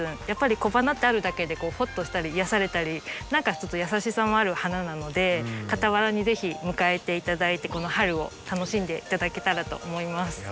やっぱり小花ってあるだけでほっとしたり癒やされたり何かちょっと優しさもある花なので傍らに是非迎えて頂いてこの春を楽しんで頂けたらと思います。